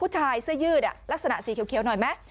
เสื้อยืดลักษณะสีเขียวหน่อยไหม